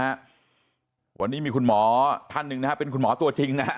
แบบนี้นะครับวันนี้มีคุณหมอท่านหนึ่งนะเป็นคุณหมอตัวจริงนะ